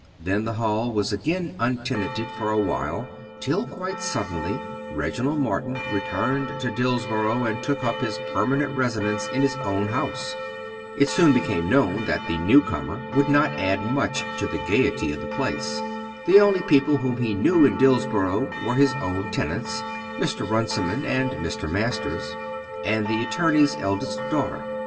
Then the Hall was again untenanted for awhile, till, quite suddenly, Reginald Morton returned to Dillsborough, and took up his permanent residence in his own house. It soon became known that the new comer would not add much to the gaiety of the place. The only people whom he knew in Dillsborough were his own tenants, Mr. Runciman and Mr. Masters, and the attorney's eldest daughter.